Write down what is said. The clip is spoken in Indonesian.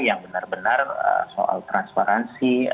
yang benar benar soal transparansi